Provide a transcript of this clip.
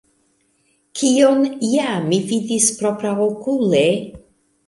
Kion ja mi vidis propraokule?